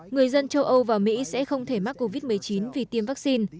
người dân châu âu và mỹ sẽ không thể mắc covid một mươi chín vì tiêm vaccine